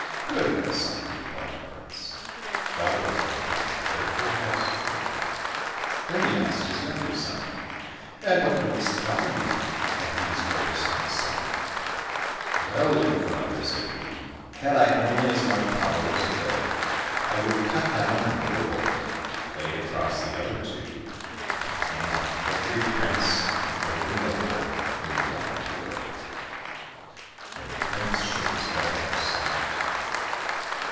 " Good, my son !" replied the prince, " thou wilt make a careful householder." Then he asked his younger son, " And what wouldst thou make out of these oaks, my son }"" Well, dear father," said he, " had I only as much power as will, I would cut down the middle oak, lay it across the other two, and hang up every prince and every noble in the wide world." Then the prince shook his head and was silent.